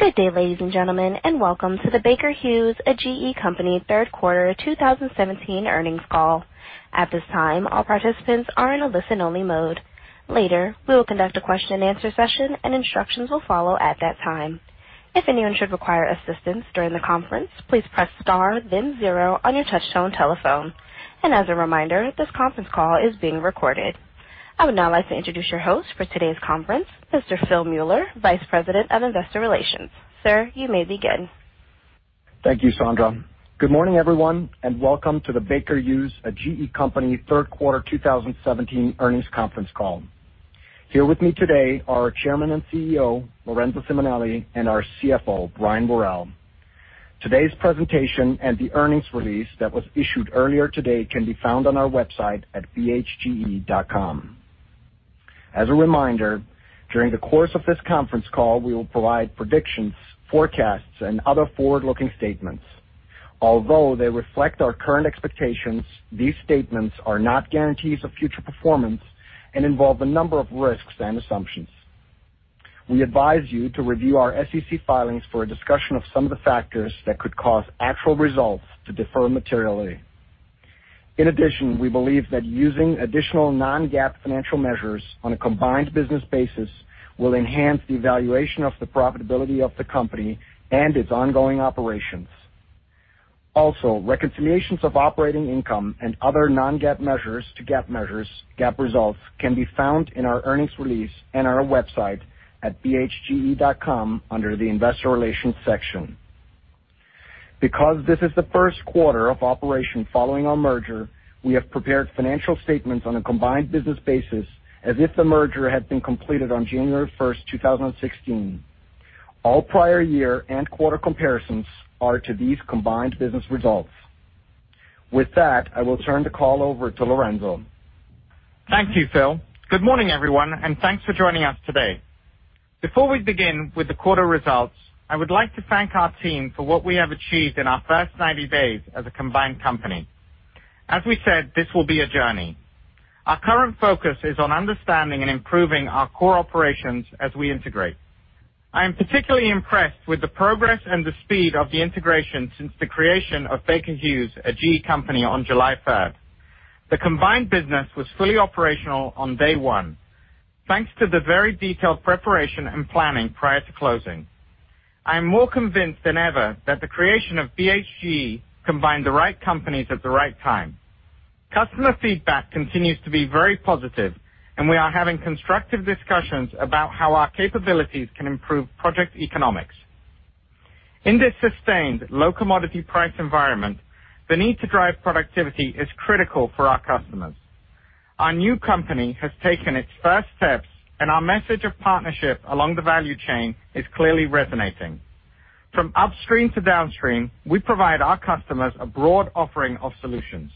Good day, ladies and gentlemen, and welcome to the Baker Hughes, a GE company, third quarter 2017 earnings call. At this time, all participants are in a listen-only mode. Later, we will conduct a question and answer session, and instructions will follow at that time. If anyone should require assistance during the conference, please press star then zero on your touch-tone telephone. As a reminder, this conference call is being recorded. I would now like to introduce your host for today's conference, Mr. Phil Mueller, Vice President of Investor Relations. Sir, you may begin. Thank you, Sandra. Good morning, everyone, and welcome to the Baker Hughes, a GE company, third quarter 2017 earnings conference call. Here with me today are Chairman and CEO, Lorenzo Simonelli, and our CFO, Brian Worrell. Today's presentation and the earnings release that was issued earlier today can be found on our website at bhge.com. As a reminder, during the course of this conference call, we will provide predictions, forecasts, and other forward-looking statements. Although they reflect our current expectations, these statements are not guarantees of future performance and involve a number of risks and assumptions. We advise you to review our SEC filings for a discussion of some of the factors that could cause actual results to differ materially. In addition, we believe that using additional non-GAAP financial measures on a combined business basis will enhance the evaluation of the profitability of the company and its ongoing operations. Reconciliations of operating income and other non-GAAP measures to GAAP measures, GAAP results can be found in our earnings release and on our website at bhge.com under the investor relations section. Because this is the first quarter of operation following our merger, we have prepared financial statements on a combined business basis as if the merger had been completed on January 1st, 2016. All prior year-end quarter comparisons are to these combined business results. With that, I will turn the call over to Lorenzo. Thank you, Phil. Good morning, everyone, and thanks for joining us today. Before we begin with the quarter results, I would like to thank our team for what we have achieved in our first 90 days as a combined company. As we said, this will be a journey. Our current focus is on understanding and improving our core operations as we integrate. I am particularly impressed with the progress and the speed of the integration since the creation of Baker Hughes, a GE company, on July 3rd. The combined business was fully operational on day one. Thanks to the very detailed preparation and planning prior to closing. I am more convinced than ever that the creation of BHGE combined the right companies at the right time. Customer feedback continues to be very positive, and we are having constructive discussions about how our capabilities can improve project economics. In this sustained low commodity price environment, the need to drive productivity is critical for our customers. Our new company has taken its first steps, and our message of partnership along the value chain is clearly resonating. From upstream to downstream, we provide our customers a broad offering of solutions.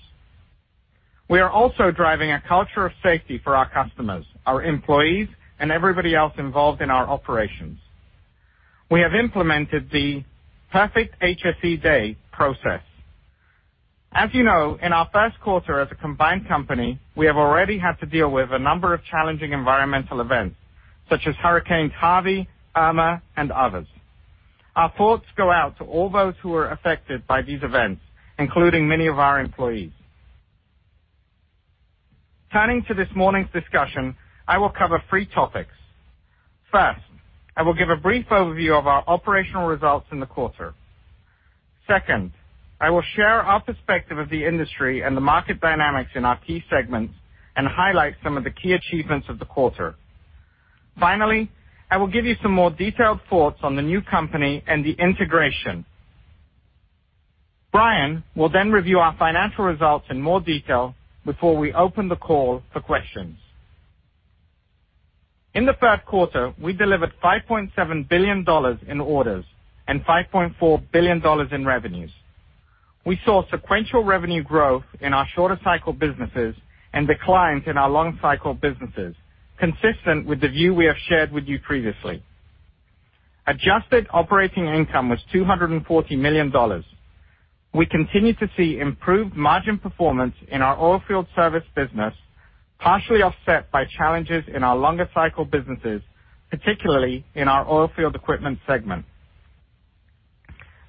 We are also driving a culture of safety for our customers, our employees, and everybody else involved in our operations. We have implemented the Perfect HSE Day process. As you know, in our first quarter as a combined company, we have already had to deal with a number of challenging environmental events, such as Hurricane Harvey, Irma, and others. Our thoughts go out to all those who were affected by these events, including many of our employees. Turning to this morning's discussion, I will cover three topics. First, I will give a brief overview of our operational results in the quarter. Second, I will share our perspective of the industry and the market dynamics in our key segments and highlight some of the key achievements of the quarter. Finally, I will give you some more detailed thoughts on the new company and the integration. Brian will then review our financial results in more detail before we open the call for questions. In the third quarter, we delivered $5.7 billion in orders and $5.4 billion in revenues. We saw sequential revenue growth in our shorter cycle businesses and declines in our long cycle businesses, consistent with the view we have shared with you previously. Adjusted operating income was $240 million. We continue to see improved margin performance in our Oilfield Services business, partially offset by challenges in our longer cycle businesses, particularly in our Oilfield Equipment segment.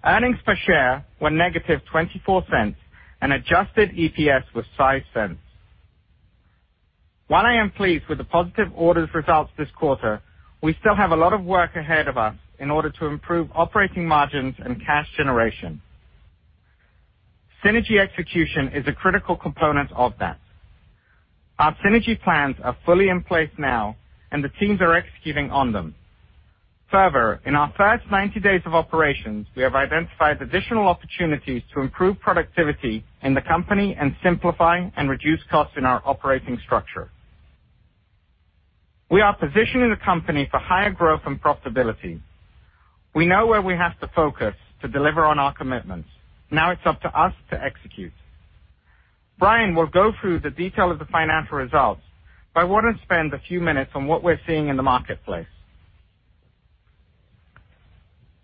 Earnings per share were negative $0.24, and adjusted EPS was $0.05. While I am pleased with the positive orders results this quarter, we still have a lot of work ahead of us in order to improve operating margins and cash generation. Synergy execution is a critical component of that. Our synergy plans are fully in place now, and the teams are executing on them. Further, in our first 90 days of operations, we have identified additional opportunities to improve productivity in the company and simplify and reduce costs in our operating structure. We are positioning the company for higher growth and profitability. We know where we have to focus to deliver on our commitments. Now it's up to us to execute. Brian will go through the detail of the financial results, but I want to spend a few minutes on what we're seeing in the marketplace.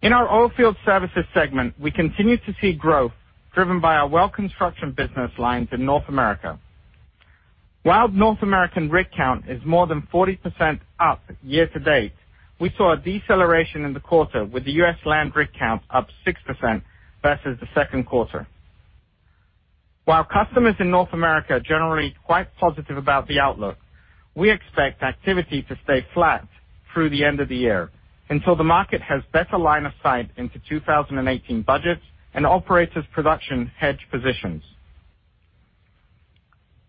In our Oilfield Services segment, we continue to see growth driven by our well construction business lines in North America. While North American rig count is more than 40% up year to date, we saw a deceleration in the quarter with the U.S. land rig count up 6% versus the second quarter. While customers in North America are generally quite positive about the outlook, we expect activity to stay flat through the end of the year until the market has better line of sight into 2018 budgets and operators production hedge positions.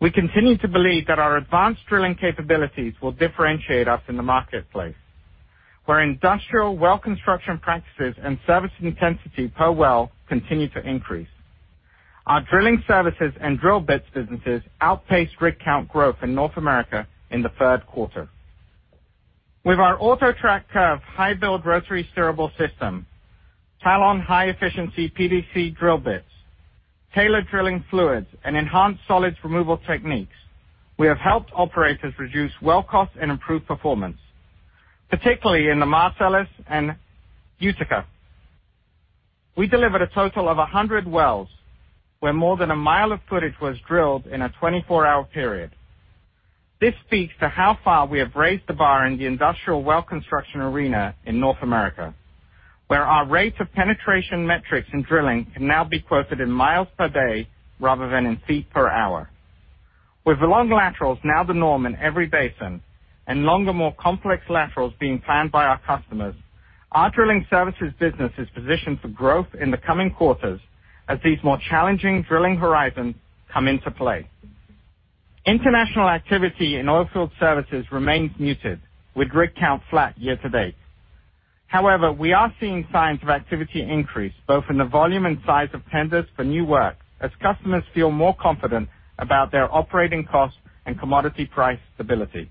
We continue to believe that our advanced drilling capabilities will differentiate us in the marketplace, where industrial well construction practices and service intensity per well continue to increase. Our drilling services and drill bits businesses outpaced rig count growth in North America in the third quarter. With our AutoTrak Curve high build rotary steerable system, Talon high-efficiency PDC drill bits, tailored drilling fluids, and enhanced solids removal techniques, we have helped operators reduce well costs and improve performance, particularly in the Marcellus and Utica. We delivered a total of 100 wells, where more than a mile of footage was drilled in a 24-hour period. This speaks to how far we have raised the bar in the industrial well construction arena in North America, where our rates of penetration metrics in drilling can now be quoted in miles per day rather than in feet per hour. With the long laterals now the norm in every basin, and longer, more complex laterals being planned by our customers, our drilling services business is positioned for growth in the coming quarters as these more challenging drilling horizons come into play. International activity in Oilfield Services remains muted, with rig count flat year to date. We are seeing signs of activity increase both in the volume and size of tenders for new work as customers feel more confident about their operating costs and commodity price stability.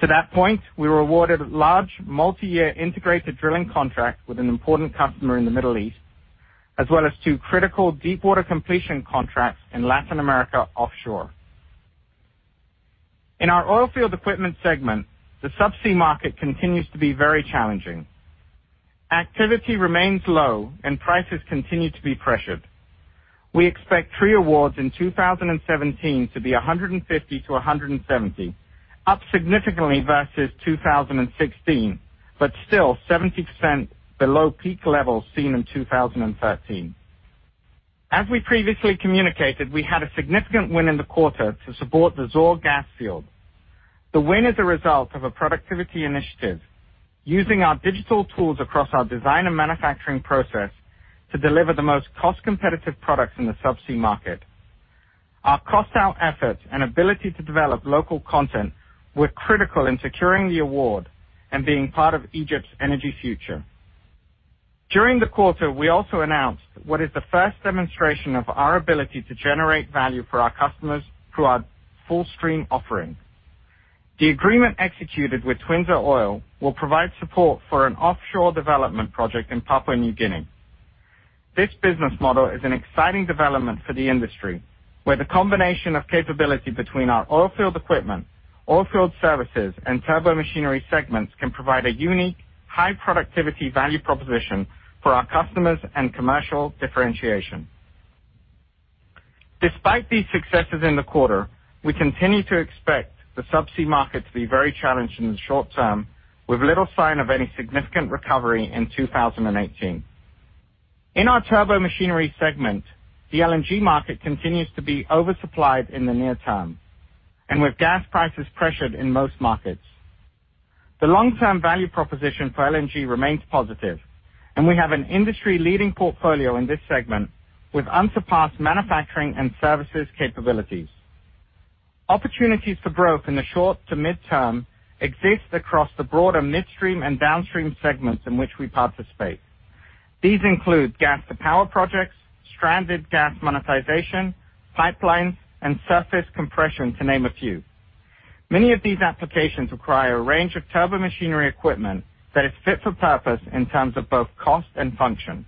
To that point, we were awarded a large multi-year integrated drilling contract with an important customer in the Middle East, as well as two critical deepwater completion contracts in Latin America offshore. In our Oilfield Equipment segment, the subsea market continues to be very challenging. Activity remains low and prices continue to be pressured. We expect tree awards in 2017 to be 150 to 170, up significantly versus 2016, but still 70% below peak levels seen in 2013. As we previously communicated, we had a significant win in the quarter to support the Zohr gas field. The win is a result of a productivity initiative using our digital tools across our design and manufacturing process to deliver the most cost-competitive products in the subsea market. Our cost out efforts and ability to develop local content were critical in securing the award and being part of Egypt's energy future. During the quarter, we also announced what is the first demonstration of our ability to generate value for our customers through our fullstream offering. The agreement executed with Twinza Oil will provide support for an offshore development project in Papua New Guinea. This business model is an exciting development for the industry, where the combination of capability between our Oilfield Equipment, Oilfield Services, and Turbomachinery segments can provide a unique high productivity value proposition for our customers and commercial differentiation. Despite these successes in the quarter, we continue to expect the subsea market to be very challenged in the short term, with little sign of any significant recovery in 2018. In our Turbomachinery segment, the LNG market continues to be oversupplied in the near term, with gas prices pressured in most markets. The long-term value proposition for LNG remains positive, we have an industry-leading portfolio in this segment with unsurpassed manufacturing and services capabilities. Opportunities for growth in the short to midterm exist across the broader midstream and downstream segments in which we participate. These include gas to power projects, stranded gas monetization, pipelines, and surface compression, to name a few. Many of these applications require a range of Turbomachinery equipment that is fit for purpose in terms of both cost and function.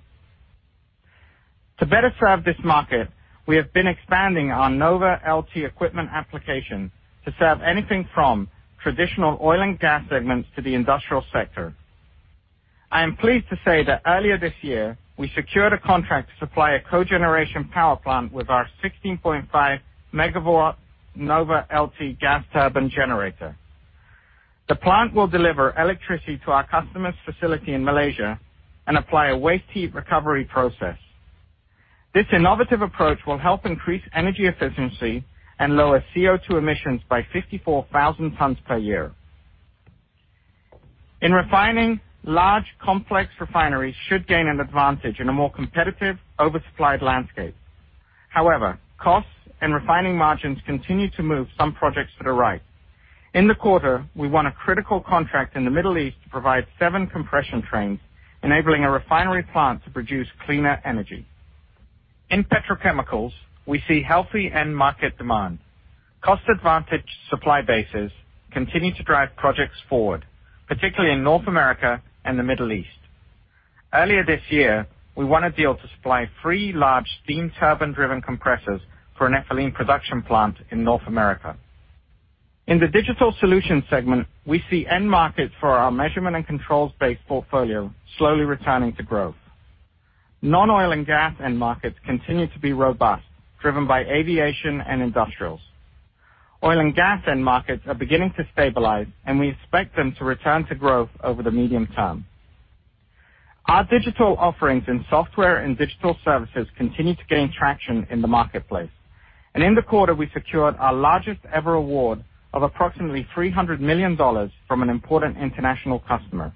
To better serve this market, we have been expanding our NovaLT equipment application to serve anything from traditional oil and gas segments to the industrial sector. I am pleased to say that earlier this year, we secured a contract to supply a cogeneration power plant with our 16.5 megawatt NovaLT gas turbine generator. The plant will deliver electricity to our customer's facility in Malaysia and apply a waste heat recovery process. This innovative approach will help increase energy efficiency and lower CO2 emissions by 54,000 tons per year. In refining, large complex refineries should gain an advantage in a more competitive, oversupplied landscape. However, costs and refining margins continue to move some projects to the right. In the quarter, we won a critical contract in the Middle East to provide seven compression trains, enabling a refinery plant to produce cleaner energy. In petrochemicals, we see healthy end market demand. Cost-advantaged supply bases continue to drive projects forward, particularly in North America and the Middle East. Earlier this year, we won a deal to supply three large steam turbine-driven compressors for an ethylene production plant in North America. In the Digital Solutions segment, we see end markets for our measurement and controls-based portfolio slowly returning to growth. Non-oil and gas end markets continue to be robust, driven by aviation and industrials. Oil and gas end markets are beginning to stabilize, and we expect them to return to growth over the medium term. Our digital offerings in software and digital services continue to gain traction in the marketplace. In the quarter, we secured our largest-ever award of approximately $300 million from an important international customer.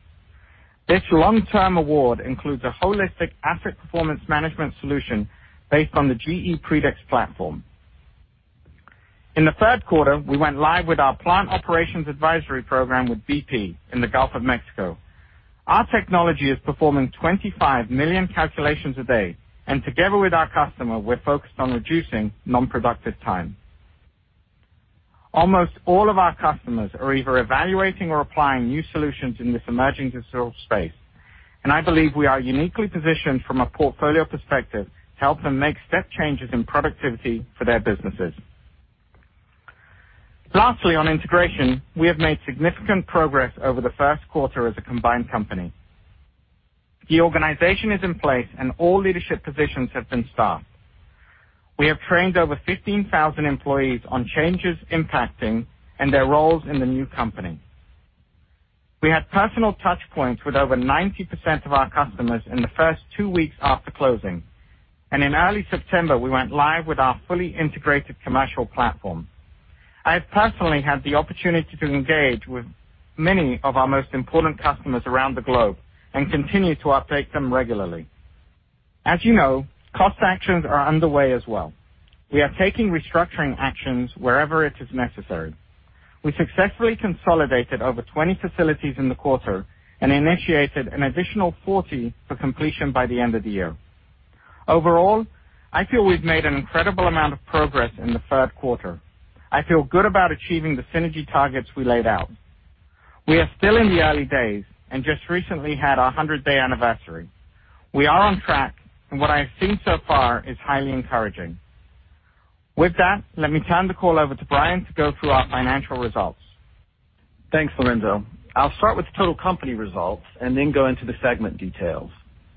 This long-term award includes a holistic asset performance management solution based on the GE Predix platform. In the third quarter, we went live with our plant operations advisory program with BP in the Gulf of Mexico. Our technology is performing 25 million calculations a day, and together with our customer, we're focused on reducing non-productive time. Almost all of our customers are either evaluating or applying new solutions in this emerging digital space, and I believe we are uniquely positioned from a portfolio perspective to help them make step changes in productivity for their businesses. Lastly, on integration, we have made significant progress over the first quarter as a combined company. The organization is in place, and all leadership positions have been staffed. We have trained over 15,000 employees on changes impacting and their roles in the new company. We had personal touch points with over 90% of our customers in the first two weeks after closing. In early September, we went live with our fully integrated commercial platform. I have personally had the opportunity to engage with many of our most important customers around the globe and continue to update them regularly. As you know, cost actions are underway as well. We are taking restructuring actions wherever it is necessary. We successfully consolidated over 20 facilities in the quarter and initiated an additional 40 for completion by the end of the year. Overall, I feel we've made an incredible amount of progress in the third quarter. I feel good about achieving the synergy targets we laid out. We are still in the early days and just recently had our 100-day anniversary. We are on track, and what I have seen so far is highly encouraging. With that, let me turn the call over to Brian to go through our financial results. Thanks, Lorenzo. I'll start with total company results and then go into the segment details.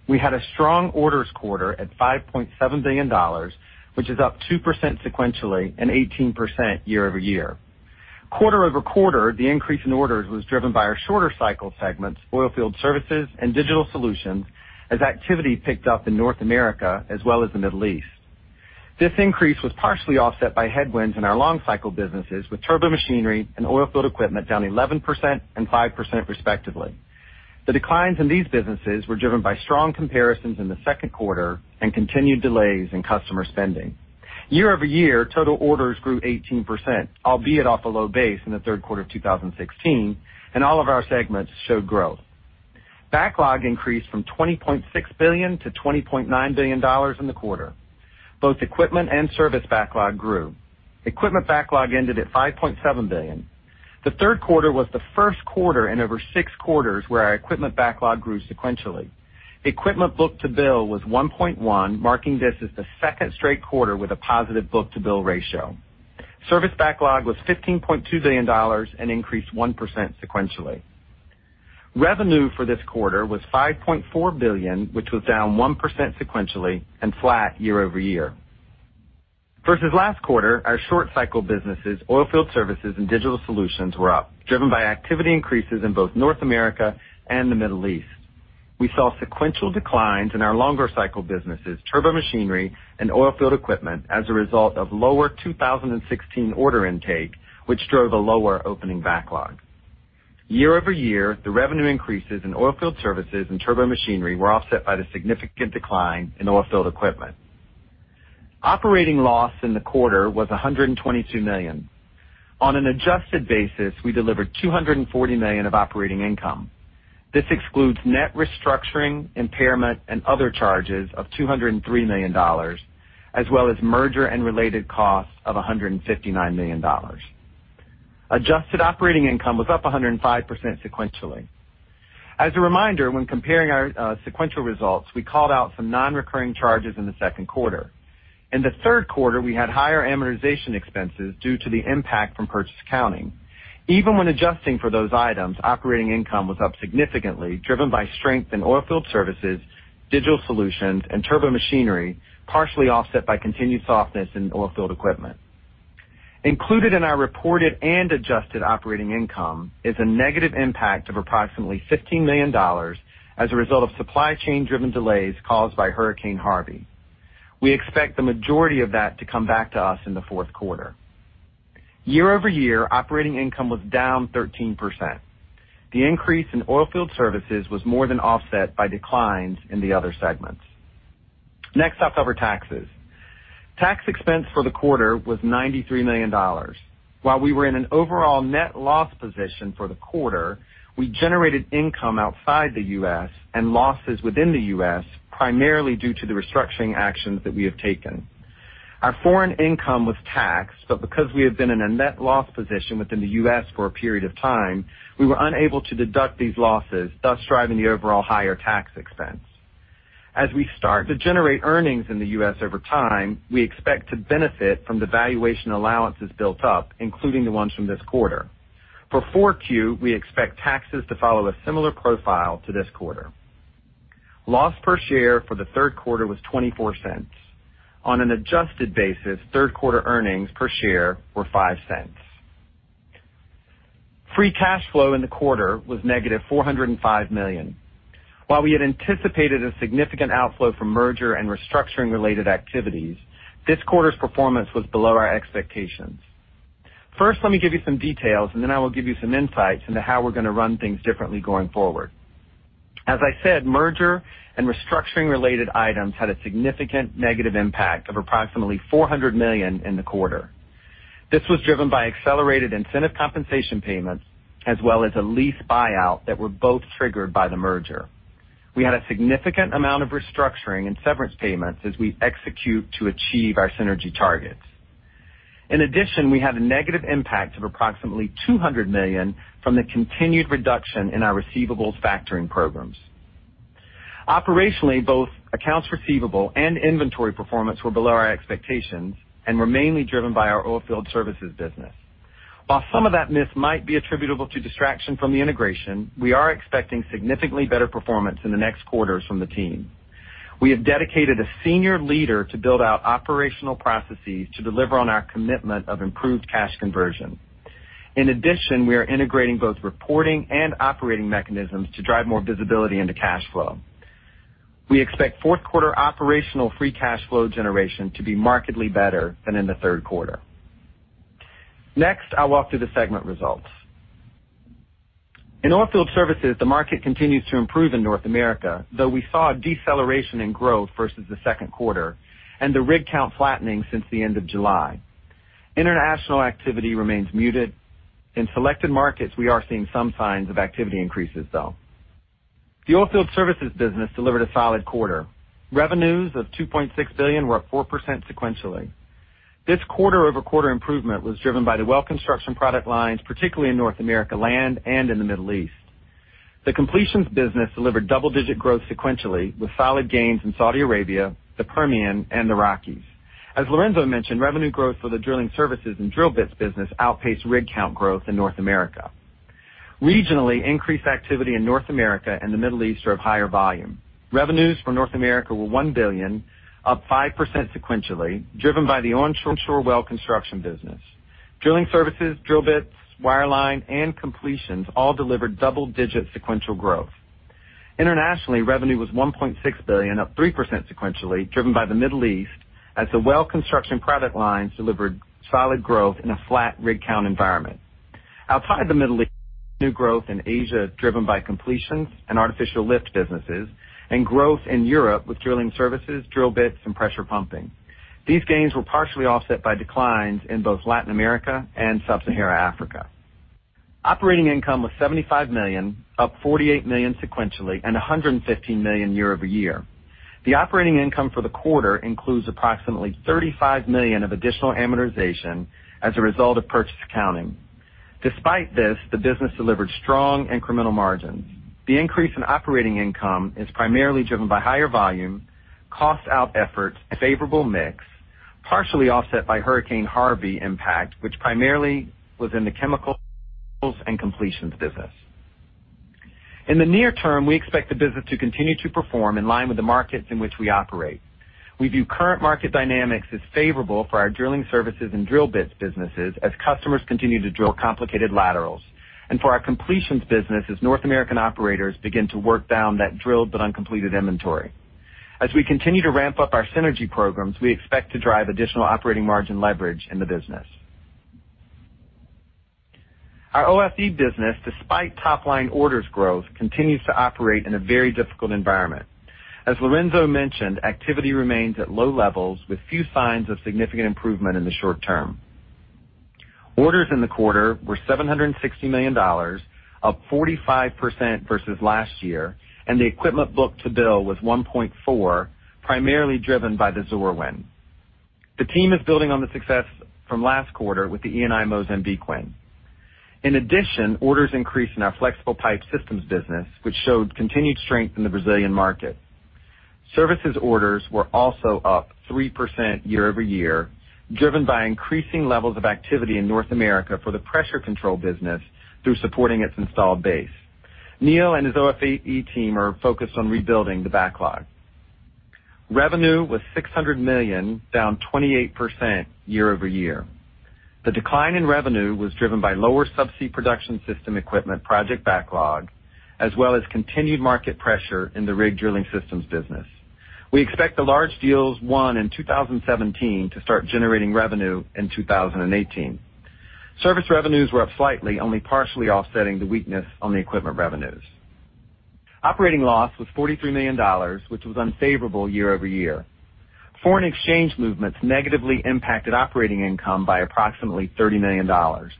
We had a strong orders quarter at $5.7 billion, which is up 2% sequentially and 18% year-over-year. Quarter-over-quarter, the increase in orders was driven by our shorter cycle segments, Oilfield Services and Digital Solutions, as activity picked up in North America as well as the Middle East. This increase was partially offset by headwinds in our long cycle businesses, with Turbomachinery and Oilfield Equipment down 11% and 5% respectively. The declines in these businesses were driven by strong comparisons in the second quarter and continued delays in customer spending. Year-over-year, total orders grew 18%, albeit off a low base in the third quarter of 2016, and all of our segments showed growth. Backlog increased from $20.6 billion to $20.9 billion in the quarter. Both equipment and service backlog grew. Equipment backlog ended at $5.7 billion. The third quarter was the first quarter in over six quarters where our equipment backlog grew sequentially. Equipment book-to-bill was 1.1, marking this as the second straight quarter with a positive book-to-bill ratio. Service backlog was $15.2 billion and increased 1% sequentially. Revenue for this quarter was $5.4 billion, which was down 1% sequentially and flat year-over-year. Versus last quarter, our short cycle businesses, Oilfield Services and Digital Solutions, were up, driven by activity increases in both North America and the Middle East. We saw sequential declines in our longer cycle businesses, Turbomachinery and Oilfield Equipment, as a result of lower 2016 order intake, which drove a lower opening backlog. Year-over-year, the revenue increases in Oilfield Services and Turbomachinery were offset by the significant decline in Oilfield Equipment. Operating loss in the quarter was $122 million. On an adjusted basis, we delivered $240 million of operating income. This excludes net restructuring, impairment, and other charges of $203 million, as well as merger and related costs of $159 million. Adjusted operating income was up 105% sequentially. As a reminder, when comparing our sequential results, we called out some non-recurring charges in the second quarter. In the third quarter, we had higher amortization expenses due to the impact from purchase accounting. Even when adjusting for those items, operating income was up significantly, driven by strength in Oilfield Services, Digital Solutions, and Turbomachinery, partially offset by continued softness in Oilfield Equipment. Included in our reported and adjusted operating income is a negative impact of approximately $15 million as a result of supply chain-driven delays caused by Hurricane Harvey. We expect the majority of that to come back to us in the fourth quarter. Year-over-year, operating income was down 13%. The increase in Oilfield Services was more than offset by declines in the other segments. I'll cover taxes. Tax expense for the quarter was $93 million. While we were in an overall net loss position for the quarter, we generated income outside the U.S. and losses within the U.S., primarily due to the restructuring actions that we have taken. Our foreign income was taxed, but because we had been in a net loss position within the U.S. for a period of time, we were unable to deduct these losses, thus driving the overall higher tax expense. As we start to generate earnings in the U.S. over time, we expect to benefit from the valuation allowances built up, including the ones from this quarter. For 4Q, we expect taxes to follow a similar profile to this quarter. Loss per share for the third quarter was $0.24. On an adjusted basis, third quarter earnings per share were $0.05. Free cash flow in the quarter was negative $405 million. While we had anticipated a significant outflow from merger and restructuring related activities, this quarter's performance was below our expectations. Let me give you some details, and then I will give you some insights into how we're going to run things differently going forward. As I said, merger and restructuring related items had a significant negative impact of approximately $400 million in the quarter. This was driven by accelerated incentive compensation payments, as well as a lease buyout that were both triggered by the merger. We had a significant amount of restructuring and severance payments as we execute to achieve our synergy targets. In addition, we had a negative impact of approximately $200 million from the continued reduction in our receivables factoring programs. Operationally, both accounts receivable and inventory performance were below our expectations and were mainly driven by our Oilfield Services business. While some of that miss might be attributable to distraction from the integration, we are expecting significantly better performance in the next quarters from the team. We have dedicated a senior leader to build out operational processes to deliver on our commitment of improved cash conversion. In addition, we are integrating both reporting and operating mechanisms to drive more visibility into cash flow. We expect fourth quarter operational free cash flow generation to be markedly better than in the third quarter. I'll walk through the segment results. In Oilfield Services, the market continues to improve in North America, though we saw a deceleration in growth versus the second quarter and the rig count flattening since the end of July. International activity remains muted. In selected markets, we are seeing some signs of activity increases, though. The Oilfield Services business delivered a solid quarter. Revenues of $2.6 billion were up 4% sequentially. This quarter-over-quarter improvement was driven by the well construction product lines, particularly in North America land and in the Middle East. The completions business delivered double-digit growth sequentially with solid gains in Saudi Arabia, the Permian, and the Rockies. As Lorenzo mentioned, revenue growth for the drilling services and drill bits business outpaced rig count growth in North America. Regionally, increased activity in North America and the Middle East are of higher volume. Revenues for North America were $1 billion, up 5% sequentially, driven by the onshore well construction business. Drilling services, drill bits, wireline, and completions all delivered double-digit sequential growth. Internationally, revenue was $1.6 billion, up 3% sequentially, driven by the Middle East as the well construction product lines delivered solid growth in a flat rig count environment. Outside the Middle East, new growth in Asia is driven by completions and artificial lift businesses, and growth in Europe with drilling services, drill bits, and pressure pumping. These gains were partially offset by declines in both Latin America and sub-Saharan Africa. Operating income was $75 million, up $48 million sequentially, and $115 million year-over-year. The operating income for the quarter includes approximately $35 million of additional amortization as a result of purchase accounting. Despite this, the business delivered strong incremental margins. The increase in operating income is primarily driven by higher volume, cost out efforts, favorable mix, partially offset by Hurricane Harvey impact, which primarily was in the chemicals and completions business. In the near term, we expect the business to continue to perform in line with the markets in which we operate. We view current market dynamics as favorable for our drilling services and drill bits businesses as customers continue to drill complicated laterals, and for our completions business as North American operators begin to work down that drilled but uncompleted inventory. As we continue to ramp up our synergy programs, we expect to drive additional operating margin leverage in the business. Our OFE business, despite top-line orders growth, continues to operate in a very difficult environment. As Lorenzo mentioned, activity remains at low levels with few signs of significant improvement in the short term. Orders in the quarter were $760 million, up 45% versus last year, and the equipment book-to-bill was 1.4, primarily driven by the Zohr win. The team is building on the success from last quarter with the Eni Mozambique win. In addition, orders increased in our Flexible Pipe Systems business, which showed continued strength in the Brazilian market. Services orders were also up 3% year-over-year, driven by increasing levels of activity in North America for the Pressure Control business through supporting its installed base. Neil and his OFE team are focused on rebuilding the backlog. Revenue was $600 million, down 28% year-over-year. The decline in revenue was driven by lower subsea production system equipment project backlog, as well as continued market pressure in the rig drilling systems business. We expect the large deals won in 2017 to start generating revenue in 2018. Service revenues were up slightly, only partially offsetting the weakness on the equipment revenues. Operating loss was $43 million, which was unfavorable year-over-year. Foreign exchange movements negatively impacted operating income by approximately $30 million.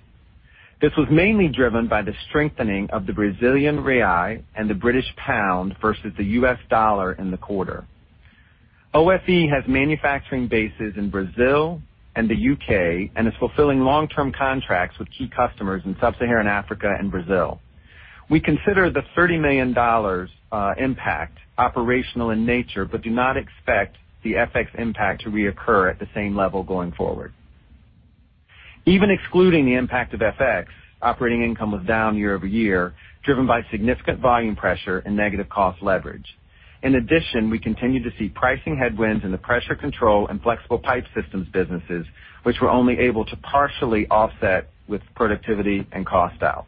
This was mainly driven by the strengthening of the Brazilian real and the British pound versus the US dollar in the quarter. OFE has manufacturing bases in Brazil and the U.K., and is fulfilling long-term contracts with key customers in sub-Saharan Africa and Brazil. We consider the $30 million impact operational in nature, but do not expect the FX impact to reoccur at the same level going forward. Even excluding the impact of FX, operating income was down year-over-year, driven by significant volume pressure and negative cost leverage. In addition, we continue to see pricing headwinds in the Pressure Control and Flexible Pipe Systems businesses, which we're only able to partially offset with productivity and cost out.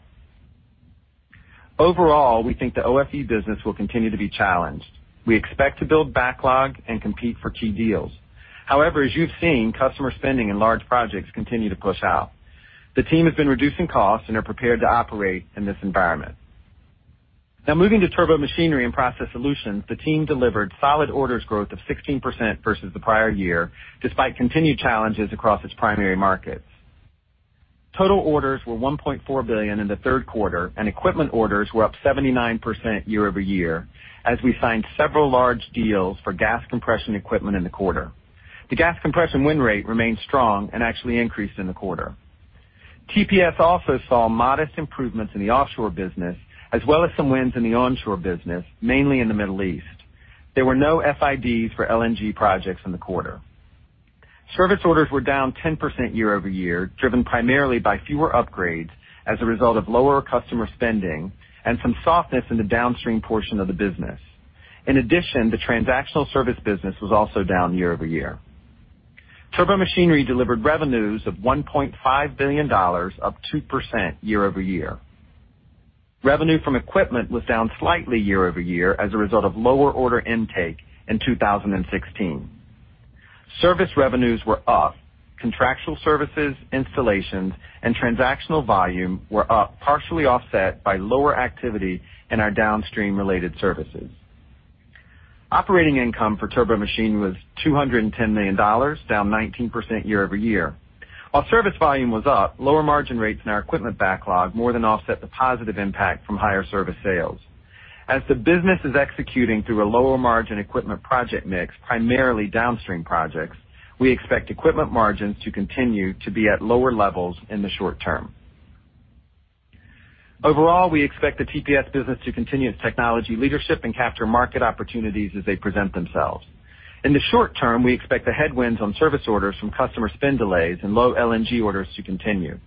Overall, we think the OFE business will continue to be challenged. We expect to build backlog and compete for key deals. However, as you've seen, customer spending and large projects continue to push out. The team has been reducing costs and are prepared to operate in this environment. Now moving to Turbomachinery & Process Solutions, the team delivered solid orders growth of 16% versus the prior year, despite continued challenges across its primary markets. Total orders were $1.4 billion in the third quarter, and equipment orders were up 79% year-over-year, as we signed several large deals for gas compression equipment in the quarter. The gas compression win rate remained strong and actually increased in the quarter. TPS also saw modest improvements in the offshore business, as well as some wins in the onshore business, mainly in the Middle East. There were no FIDs for LNG projects in the quarter. Service orders were down 10% year-over-year, driven primarily by fewer upgrades as a result of lower customer spending and some softness in the downstream portion of the business. In addition, the transactional service business was also down year-over-year. Turbomachinery delivered revenues of $1.5 billion, up 2% year-over-year. Revenue from equipment was down slightly year-over-year as a result of lower order intake in 2016. Service revenues were up. Contractual services, installations, and transactional volume were up, partially offset by lower activity in our downstream-related services. Operating income for Turbomachinery was $210 million, down 19% year-over-year. While service volume was up, lower margin rates in our equipment backlog more than offset the positive impact from higher service sales. As the business is executing through a lower margin equipment project mix, primarily downstream projects, we expect equipment margins to continue to be at lower levels in the short term. Overall, we expect the TPS business to continue its technology leadership and capture market opportunities as they present themselves. In the short term, we expect the headwinds on service orders from customer spend delays and low LNG orders to continue.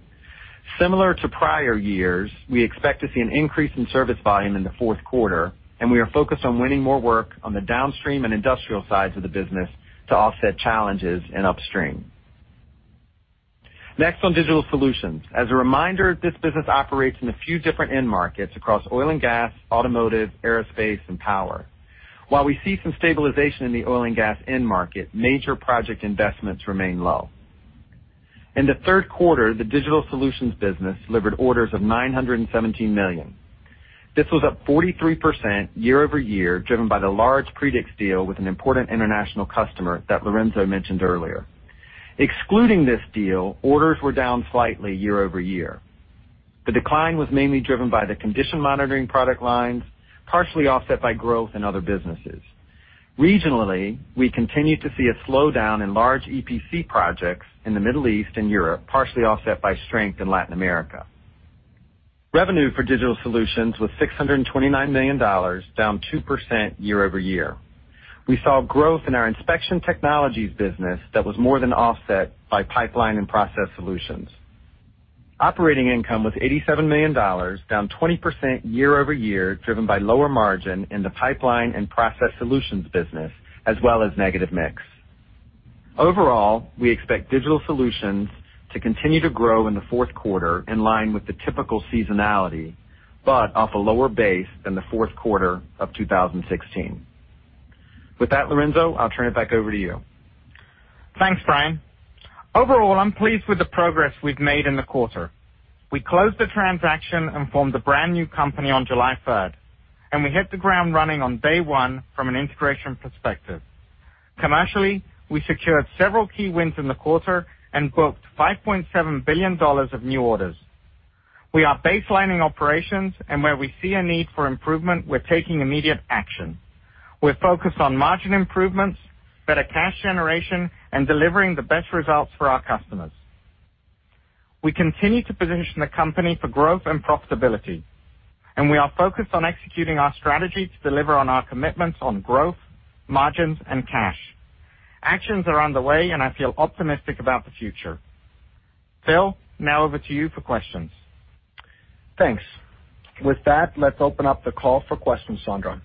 Similar to prior years, we expect to see an increase in service volume in the fourth quarter, and we are focused on winning more work on the downstream and industrial sides of the business to offset challenges in upstream. Next on Digital Solutions. As a reminder, this business operates in a few different end markets across oil and gas, automotive, aerospace, and power. While we see some stabilization in the oil and gas end market, major project investments remain low. In the third quarter, the Digital Solutions business delivered orders of $917 million. This was up 43% year-over-year, driven by the large Predix deal with an important international customer that Lorenzo mentioned earlier. Excluding this deal, orders were down slightly year-over-year. The decline was mainly driven by the condition monitoring product lines, partially offset by growth in other businesses. Regionally, we continue to see a slowdown in large EPC projects in the Middle East and Europe, partially offset by strength in Latin America. Revenue for Digital Solutions was $629 million, down 2% year-over-year. We saw growth in our inspection technologies business that was more than offset by pipeline and process solutions. Operating income was $87 million, down 20% year-over-year, driven by lower margin in the pipeline and process solutions business, as well as negative mix. Overall, we expect Digital Solutions to continue to grow in the fourth quarter in line with the typical seasonality, but off a lower base than the fourth quarter of 2016. With that, Lorenzo, I'll turn it back over to you. Thanks, Brian. Overall, I'm pleased with the progress we've made in the quarter. We closed the transaction and formed a brand-new company on July 3rd, and we hit the ground running on day one from an integration perspective. Commercially, we secured several key wins in the quarter and booked $5.7 billion of new orders. We are baselining operations, and where we see a need for improvement, we're taking immediate action. We're focused on margin improvements, better cash generation, and delivering the best results for our customers. We continue to position the company for growth and profitability, and we are focused on executing our strategy to deliver on our commitments on growth, margins, and cash. Actions are underway, and I feel optimistic about the future. Phil, now over to you for questions. Thanks. With that, let's open up the call for questions, Sandra.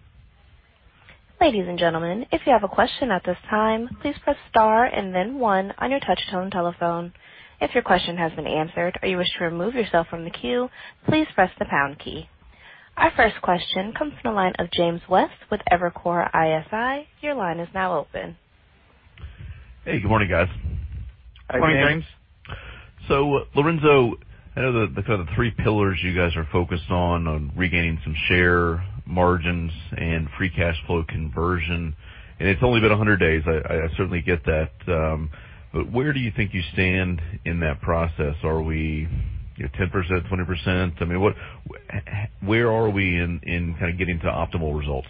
Ladies and gentlemen, if you have a question at this time, please press star and then one on your touch-tone telephone. If your question has been answered or you wish to remove yourself from the queue, please press the pound key. Our first question comes from the line of James West with Evercore ISI. Your line is now open. Hey, good morning, guys. Good morning, James. Lorenzo, I know the kind of three pillars you guys are focused on regaining some share margins and free cash flow conversion, and it's only been 100 days. I certainly get that. Where do you think you stand in that process? Are we 10%, 20%? I mean, Where are we in getting to optimal results?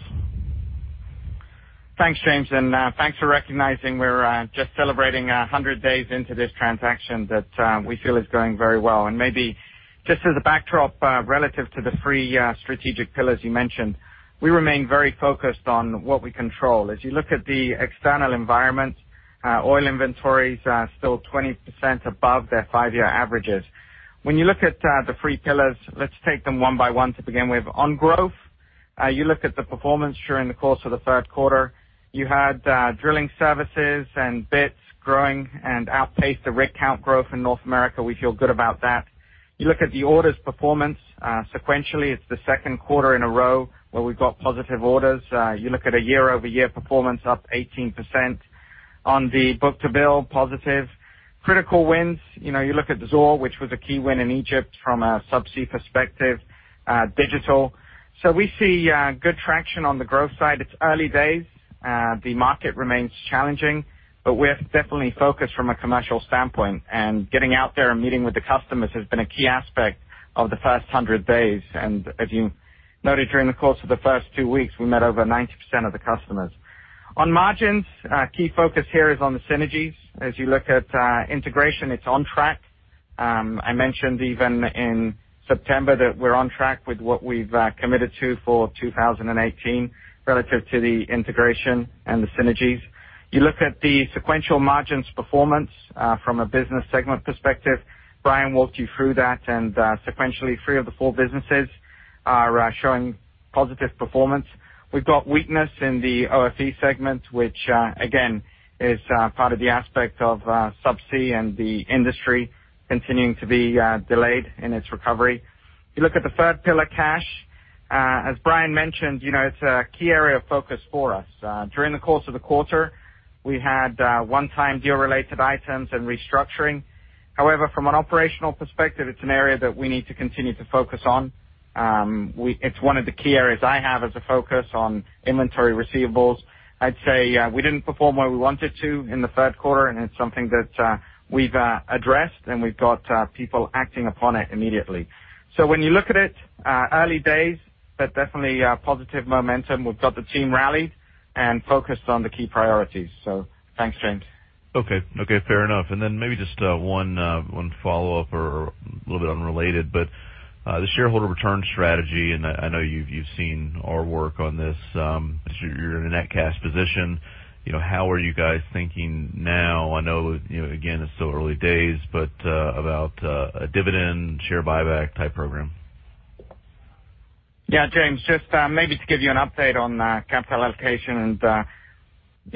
Thanks, James, and thanks for recognizing we're just celebrating 100 days into this transaction that we feel is going very well. Maybe just as a backdrop, relative to the three strategic pillars you mentioned, we remain very focused on what we control. As you look at the external environment, oil inventories are still 20% above their five-year averages. When you look at the three pillars, let's take them one by one to begin with. On growth, you look at the performance during the course of the third quarter. You had drilling services and bits growing and outpaced the rig count growth in North America. We feel good about that. You look at the orders performance. Sequentially, it's the second quarter in a row where we've got positive orders. You look at a year-over-year performance up 18% on the book-to-bill positive. Critical wins. You look at Zohr, which was a key win in Egypt from a subsea perspective. Digital. We see good traction on the growth side. It's early days. The market remains challenging, but we're definitely focused from a commercial standpoint, getting out there and meeting with the customers has been a key aspect of the first 100 days. As you noted during the course of the first two weeks, we met over 90% of the customers. On margins, key focus here is on the synergies. As you look at integration, it's on track. I mentioned even in September that we're on track with what we've committed to for 2018 relative to the integration and the synergies. You look at the sequential margins performance from a business segment perspective. Brian walked you through that, and sequentially, three of the four businesses are showing positive performance. We've got weakness in the OFE segment, which again, is part of the aspect of subsea and the industry continuing to be delayed in its recovery. You look at the third pillar, cash. As Brian mentioned, it's a key area of focus for us. During the course of the quarter, we had one-time deal-related items and restructuring. From an operational perspective, it's an area that we need to continue to focus on. It's one of the key areas I have as a focus on inventory receivables. I'd say we didn't perform where we wanted to in the third quarter, and it's something that we've addressed, and we've got people acting upon it immediately. When you look at it, early days, but definitely a positive momentum. We've got the team rallied and focused on the key priorities. Thanks, James. Okay. Fair enough. Then maybe just one follow-up or a little bit unrelated, the shareholder return strategy, and I know you've seen our work on this. You're in a net cash position. How are you guys thinking now, I know, again, it's still early days, about a dividend share buyback type program? James, just maybe to give you an update on capital allocation and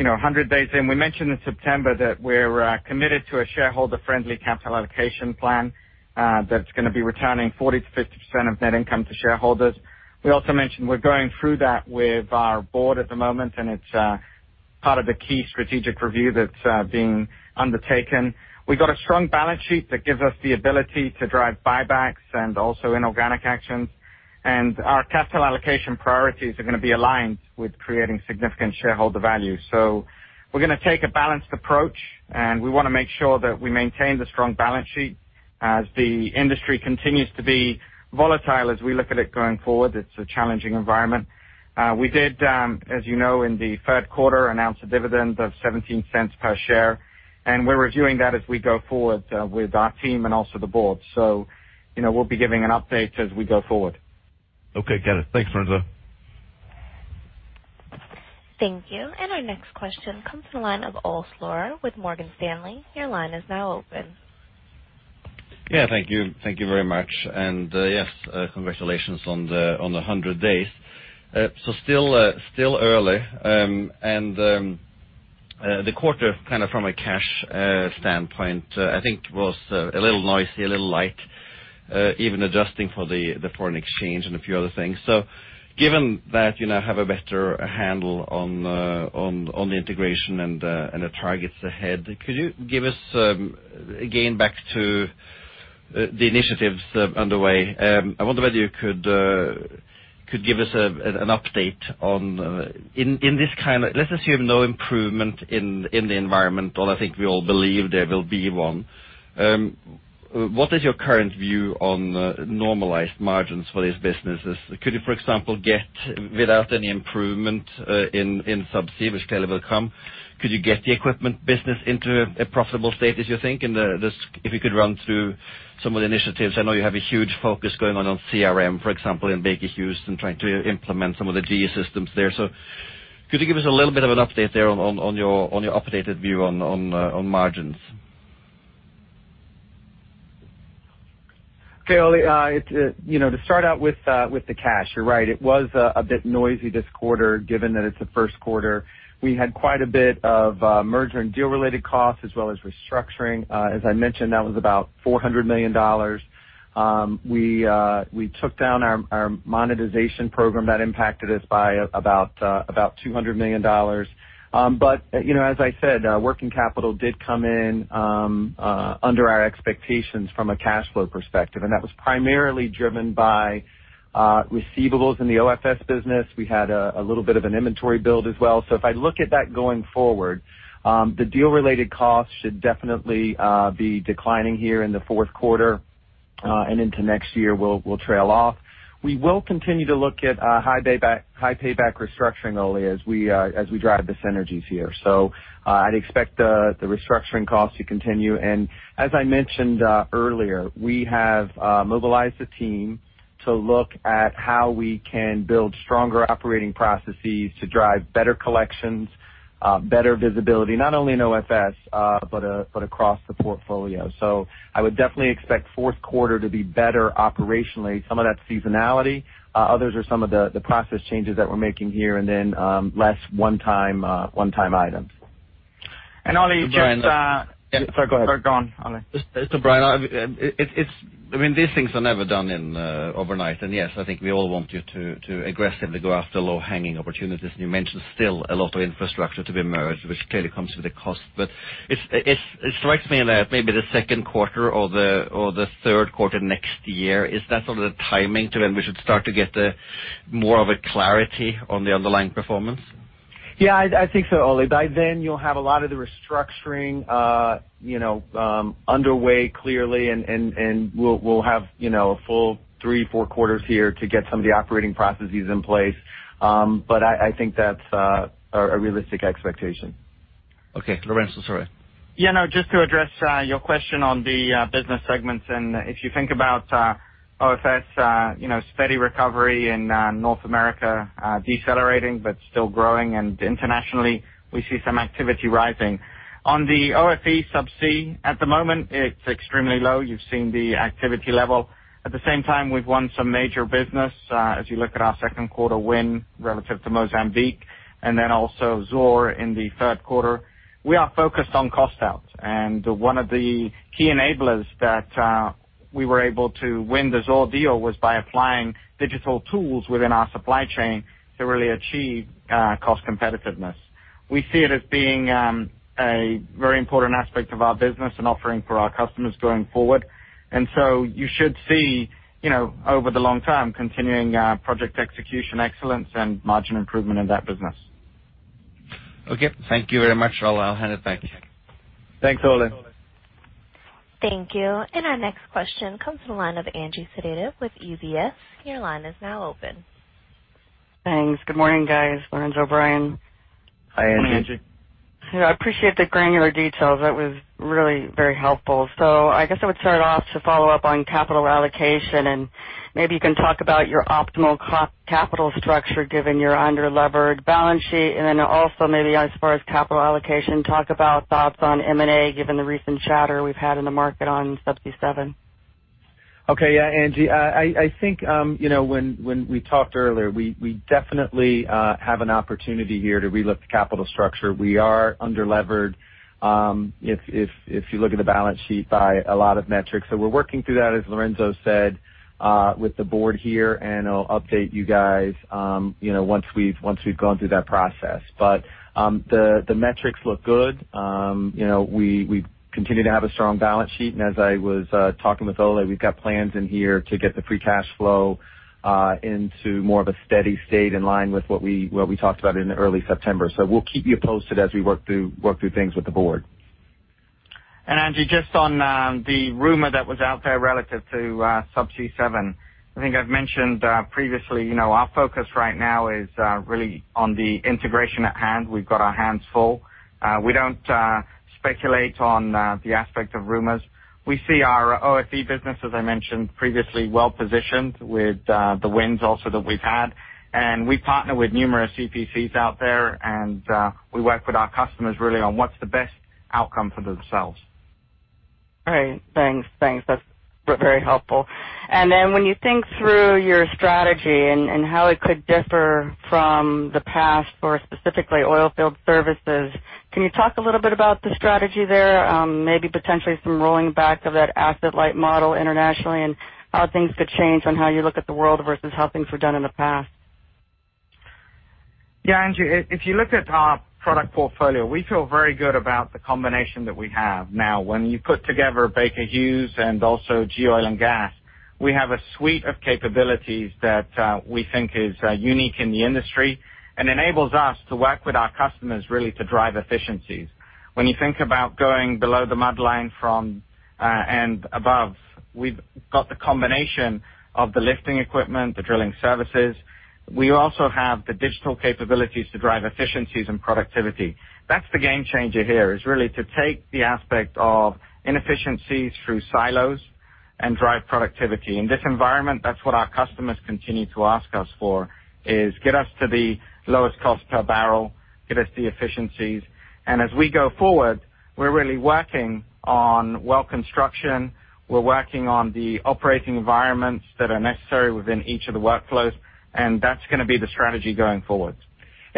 100 days in. We mentioned in September that we're committed to a shareholder-friendly capital allocation plan that's going to be returning 40%-50% of net income to shareholders. We also mentioned we're going through that with our board at the moment, and it's part of the key strategic review that's being undertaken. We've got a strong balance sheet that gives us the ability to drive buybacks and also inorganic actions. Our capital allocation priorities are going to be aligned with creating significant shareholder value. We're going to take a balanced approach, and we want to make sure that we maintain the strong balance sheet as the industry continues to be volatile as we look at it going forward. It's a challenging environment. We did, as you know, in the third quarter, announce a dividend of $0.17 per share, and we're reviewing that as we go forward with our team and also the board. We'll be giving an update as we go forward. Okay. Got it. Thanks, Lorenzo. Thank you. Our next question comes from the line of Ole Slorer with Morgan Stanley. Your line is now open. Yeah. Thank you. Thank you very much. Yes, congratulations on the 100 days. Still early, the quarter kind of from a cash standpoint, I think was a little noisy, a little light, even adjusting for the foreign exchange and a few other things. Given that you now have a better handle on the integration and the targets ahead, could you give us, again back to the initiatives underway, I wonder whether you could give us an update on in this let's assume no improvement in the environment, although I think we all believe there will be one. What is your current view on normalized margins for these businesses? Could you, for example, get without any improvement in subsea, which clearly will come, could you get the equipment business into a profitable state, as you think? If you could run through some of the initiatives. I know you have a huge focus going on on CRM, for example, in Baker Hughes and trying to implement some of the GE systems there. Could you give us a little bit of an update there on your updated view on margins? Okay, Ole. To start out with the cash, you're right. It was a bit noisy this quarter, given that it's the first quarter. We had quite a bit of merger and deal related costs as well as restructuring. As I mentioned, that was about $400 million. We took down our monetization program that impacted us by about $200 million. As I said, working capital did come in under our expectations from a cash flow perspective. That was primarily driven by receivables in the OFS business. We had a little bit of an inventory build as well. If I look at that going forward, the deal-related costs should definitely be declining here in the fourth quarter. Into next year, we'll trail off. We will continue to look at high payback restructuring, Ole, as we drive the synergies here. I'd expect the restructuring costs to continue. As I mentioned earlier, we have mobilized the team to look at how we can build stronger operating processes to drive better collections, better visibility, not only in OFS, but across the portfolio. I would definitely expect fourth quarter to be better operationally. Some of that's seasonality. Others are some of the process changes that we're making here. Then less one-time items. Ole, just- Brian. Sorry, go ahead, Ole. Brian, these things are never done overnight. Yes, I think we all want you to aggressively go after low-hanging opportunities. You mentioned still a lot of infrastructure to be merged, which clearly comes with a cost. It strikes me that maybe the second quarter or the third quarter next year, is that sort of the timing to when we should start to get more of a clarity on the underlying performance? Yeah, I think so, Ole. By then you'll have a lot of the restructuring underway, clearly, and we'll have a full three, four quarters here to get some of the operating processes in place. I think that's a realistic expectation. Okay. Lorenzo, sorry. Just to address your question on the business segments, and if you think about OFS, steady recovery in North America, decelerating but still growing, and internationally we see some activity rising. On the OFE Subsea, at the moment, it's extremely low. You've seen the activity level. At the same time, we've won some major business. As you look at our second quarter win relative to Mozambique, and then also Zohr in the third quarter. We are focused on cost outs, and one of the key enablers that we were able to win the Zohr deal was by applying digital tools within our supply chain to really achieve cost competitiveness. We see it as being a very important aspect of our business and offering for our customers going forward. You should see over the long term, continuing project execution excellence and margin improvement in that business. Okay. Thank you very much. I'll hand it back. Thanks, Ole. Thank you. Our next question comes from the line of Angie Sedita with UBS. Your line is now open. Thanks. Good morning, guys. Lorenzo, Brian. Hi, Angie. Morning, Angie. I appreciate the granular details. That was really very helpful. I guess I would start off to follow up on capital allocation, and maybe you can talk about your optimal capital structure, given your under-levered balance sheet, and then also maybe as far as capital allocation, talk about thoughts on M&A, given the recent chatter we've had in the market on Subsea 7. Okay. Yeah, Angie. I think when we talked earlier, we definitely have an opportunity here to re-look the capital structure. We are under-levered, if you look at the balance sheet by a lot of metrics. We're working through that, as Lorenzo said, with the board here, and I'll update you guys once we've gone through that process. The metrics look good. We continue to have a strong balance sheet, and as I was talking with Ole, we've got plans in here to get the free cash flow into more of a steady state in line with what we talked about in early September. We'll keep you posted as we work through things with the board. Angie, just on the rumor that was out there relative to Subsea 7. I think I've mentioned previously, our focus right now is really on the integration at hand. We've got our hands full. We don't speculate on the aspect of rumors. We see our OFE business, as I mentioned previously, well-positioned with the wins also that we've had. We partner with numerous EPCs out there, and we work with our customers really on what's the best outcome for themselves. Great. Thanks. That's very helpful. When you think through your strategy and how it could differ from the past or specifically Oilfield Services, can you talk a little bit about the strategy there? Maybe potentially some rolling back of that asset-light model internationally, and how things could change on how you look at the world versus how things were done in the past. Yeah, Angie, if you look at our product portfolio, we feel very good about the combination that we have. Now, when you put together Baker Hughes and also GE Oil & Gas, we have a suite of capabilities that we think is unique in the industry and enables us to work with our customers really to drive efficiencies. When you think about going below the mud line from and above, we've got the combination of the lifting equipment, the drilling services. We also have the digital capabilities to drive efficiencies and productivity. That's the game changer here, is really to take the aspect of inefficiencies through silos and drive productivity. In this environment, that's what our customers continue to ask us for, is get us to the lowest cost per barrel, get us the efficiencies. As we go forward, we're really working on well construction. We're working on the operating environments that are necessary within each of the workflows. That's going to be the strategy going forward.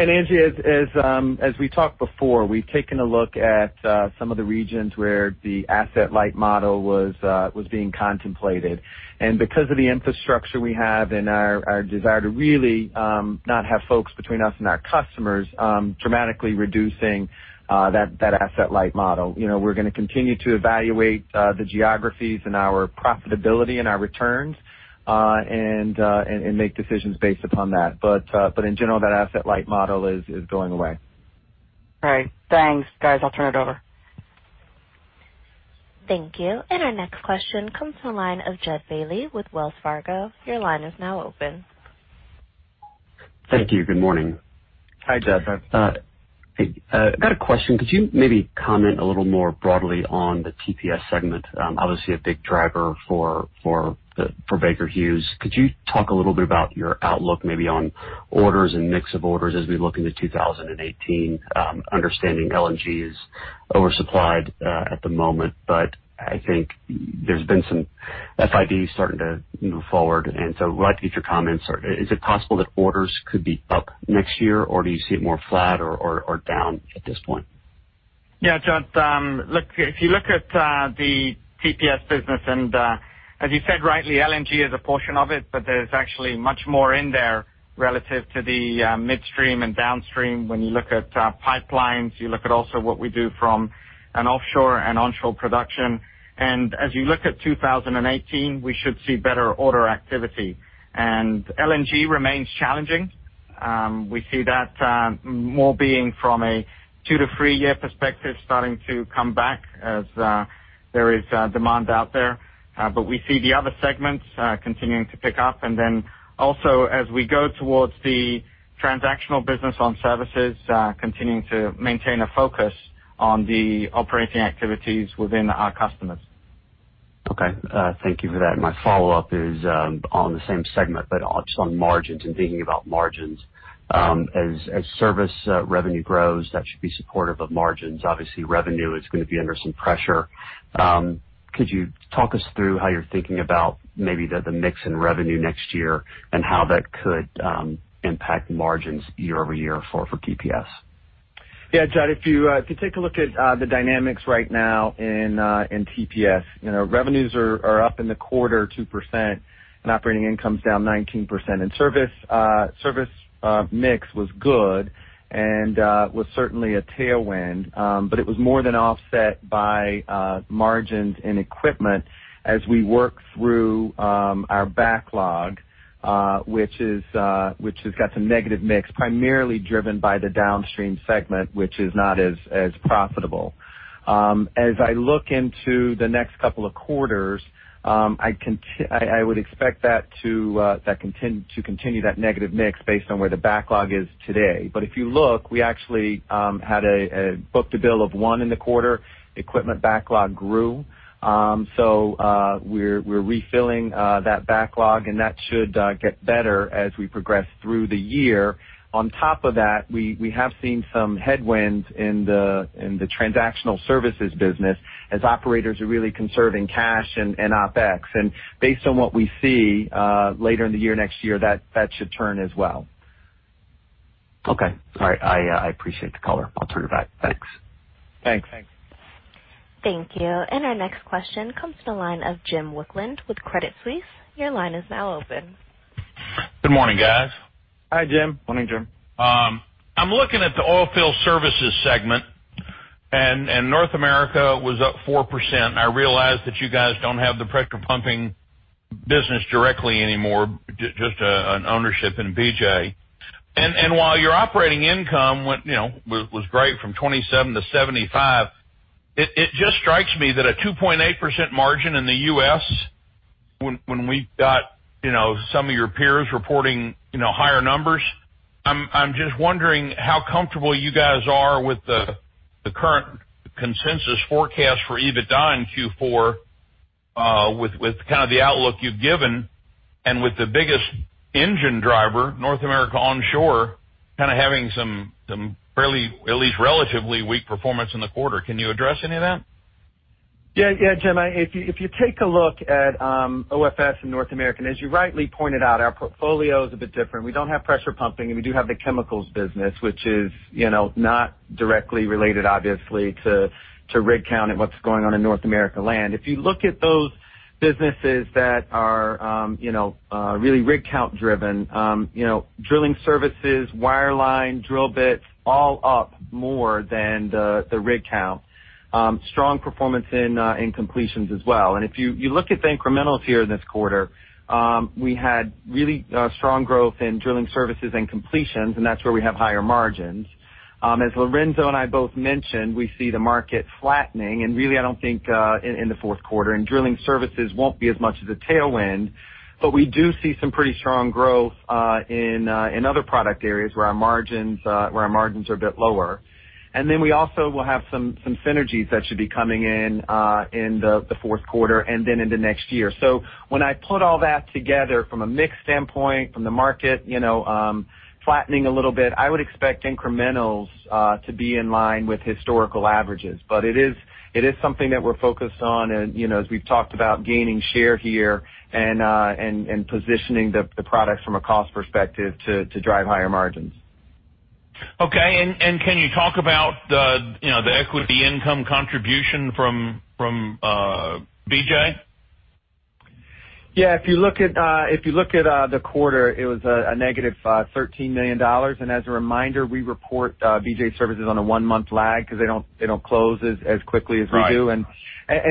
Angie, as we talked before, we've taken a look at some of the regions where the asset-light model was being contemplated. Because of the infrastructure we have and our desire to really not have folks between us and our customers, dramatically reducing that asset-light model. We're going to continue to evaluate the geographies and our profitability and our returns, and make decisions based upon that. In general, that asset-light model is going away. All right. Thanks guys. I'll turn it over. Thank you. Our next question comes from the line of Jud Bailey with Wells Fargo. Your line is now open. Thank you. Good morning. Hi, Jud. I got a question. Could you maybe comment a little more broadly on the TPS segment? Obviously a big driver for Baker Hughes. Could you talk a little bit about your outlook, maybe on orders and mix of orders as we look into 2018, understanding LNG is oversupplied at the moment, but I think there's been some FIDs starting to move forward. We'd like to get your comments. Is it possible that orders could be up next year, or do you see it more flat or down at this point? Yeah, Jud. If you look at the TPS business, as you said rightly, LNG is a portion of it, but there's actually much more in there relative to the midstream and downstream. When you look at pipelines, you look at also what we do from an offshore and onshore production. As you look at 2018, we should see better order activity. LNG remains challenging. We see that more being from a two to three-year perspective starting to come back as there is demand out there. We see the other segments continuing to pick up, and then also as we go towards the transactional business on services continuing to maintain a focus on the operating activities within our customers. Okay, thank you for that. My follow-up is on the same segment, but just on margins and thinking about margins. As service revenue grows, that should be supportive of margins. Obviously revenue is going to be under some pressure. Could you talk us through how you're thinking about maybe the mix in revenue next year and how that could impact margins year-over-year for TPS? Yeah, Jud, if you take a look at the dynamics right now in TPS, revenues are up in the quarter 2% and operating income's down 19%. Service mix was good and was certainly a tailwind. It was more than offset by margins in equipment as we work through our backlog which has got some negative mix, primarily driven by the downstream segment, which is not as profitable. As I look into the next couple of quarters, I would expect that to continue that negative mix based on where the backlog is today. If you look, we actually had a book-to-bill of one in the quarter. Equipment backlog grew. We're refilling that backlog, and that should get better as we progress through the year. On top of that, we have seen some headwinds in the transactional services business as operators are really conserving cash and OpEx. Based on what we see later in the year next year, that should turn as well. Okay. All right. I appreciate the color. I'll turn it back. Thanks. Thanks. Thank you. Our next question comes to the line of Jim Wicklund with Credit Suisse. Your line is now open. Good morning, guys. Hi, Jim. Morning, Jim. I'm looking at the Oilfield Services segment. North America was up 4%. I realize that you guys don't have the pressure pumping business directly anymore, just an ownership in BJ. While your operating income was great from $27-$75, it just strikes me that a 2.8% margin in the U.S. when we've got some of your peers reporting higher numbers. I'm just wondering how comfortable you guys are with the current consensus forecast for EBITDA in Q4 with the outlook you've given and with the biggest engine driver, North America onshore, having some fairly at least relatively weak performance in the quarter. Can you address any of that? Yeah, Jim, if you take a look at OFS in North America, as you rightly pointed out, our portfolio is a bit different. We don't have pressure pumping, and we do have the chemicals business, which is not directly related, obviously, to rig count and what's going on in North America land. If you look at those businesses that are really rig count driven, drilling services, wireline, drill bits, all up more than the rig count. Strong performance in completions as well. If you look at the incrementals here this quarter, we had really strong growth in drilling services and completions, and that's where we have higher margins. As Lorenzo and I both mentioned, we see the market flattening, and really I don't think in the fourth quarter and drilling services won't be as much as a tailwind. We do see some pretty strong growth in other product areas where our margins are a bit lower. We also will have some synergies that should be coming in the fourth quarter and then into next year. When I put all that together from a mix standpoint, from the market flattening a little bit, I would expect incrementals to be in line with historical averages. It is something that we're focused on, as we've talked about gaining share here and positioning the products from a cost perspective to drive higher margins. Okay. Can you talk about the equity income contribution from BJ? Yeah. If you look at the quarter, it was a negative $13 million. As a reminder, we report BJ Services on a one-month lag because they don't close as quickly as we do. Right.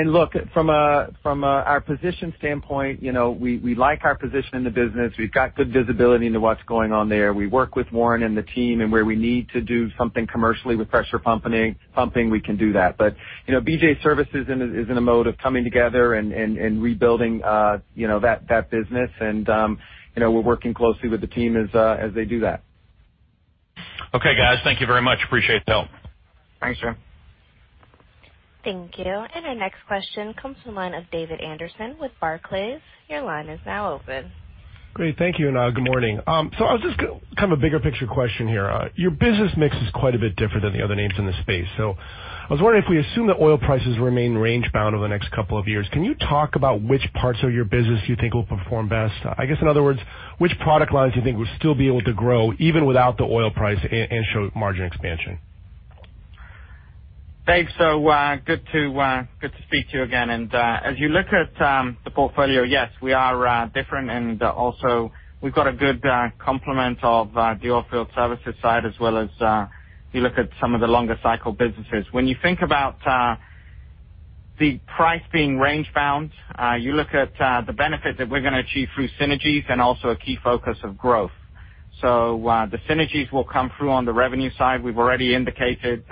Look, from our position standpoint, we like our position in the business. We've got good visibility into what's going on there. We work with Warren and the team, where we need to do something commercially with pressure pumping, we can do that. BJ Services is in a mode of coming together and rebuilding that business. We're working closely with the team as they do that. Okay, guys. Thank you very much. Appreciate the help. Thanks, Jim. Thank you. Our next question comes from the line of David Anderson with Barclays. Your line is now open. Great. Thank you. Good morning. Kind of a bigger picture question here. Your business mix is quite a bit different than the other names in the space. I was wondering, if we assume that oil prices remain range bound over the next couple of years, can you talk about which parts of your business you think will perform best? I guess, in other words, which product lines you think will still be able to grow even without the oil price and show margin expansion? Thanks. Good to speak to you again. As you look at the portfolio, yes, we are different. Also we've got a good complement of the Oilfield Services side as well as you look at some of the longer cycle businesses. When you think about the price being range bound, you look at the benefit that we're going to achieve through synergies and also a key focus of growth. The synergies will come through on the revenue side. We've already indicated